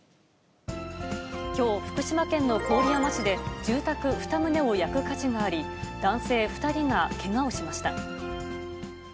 きょう、福島県の郡山市で住宅２棟を焼く火事があり、男性２人がけがをしました。